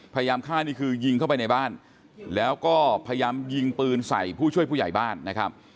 พยายามฆ่านี่คือยิงเข้าไปในบ้านแล้วก็พยายามยิงปืนใส่ผู้ช่วยผู้ใหญ่บ้านนะครับ